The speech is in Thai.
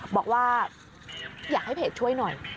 บอกว่าอยากให้เพจช่วยหน่อย